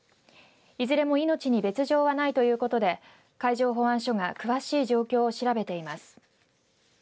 いずれも命に別状はないということで海上保安署が詳しい状況を調べています。